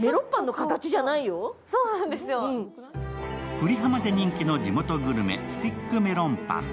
久里浜で人気の地元グルメ、スティックメロンパン。